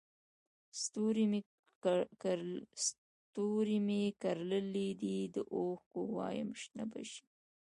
ستوري مې کرلي دي د اوښکو وایم شنه به شي